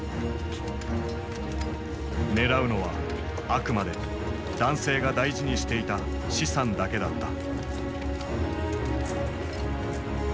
狙うのはあくまで男性が大事にしていた資産だけだった。